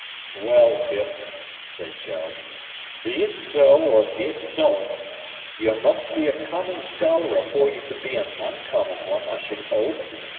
"Well, Pip," said Joe, "be it so or be it son't, you must be a common scholar afore you can be a oncommon one, I should hope!